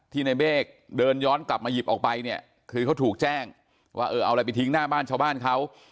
ในเมฆเดินย้อนกลับมาหยิบออกไปเนี่ยคือเขาถูกแจ้งว่าเออเอาอะไรไปทิ้งหน้าบ้านชาวบ้านเขา